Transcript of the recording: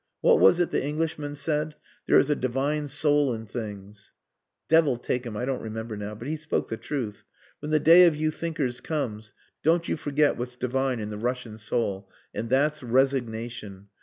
What was it the Englishman said: 'There is a divine soul in things...' Devil take him I don't remember now. But he spoke the truth. When the day of you thinkers comes don't you forget what's divine in the Russian soul and that's resignation.